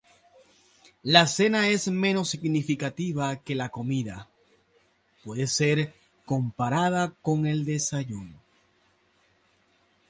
La cena es menos significativa que la comida, puede ser comparada con el desayuno.